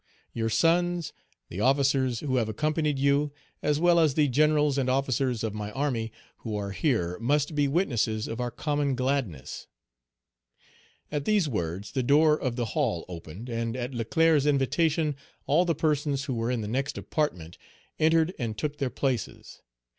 Your sons, the officers who have accompanied you, as well as the generals and officers of my army, who are here, must be witnesses of our common gladness." At these words the door of the hall opened, and at Leclerc's invitation all the persons who were in the next apartment entered and took their places.